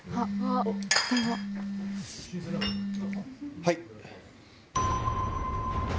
はい。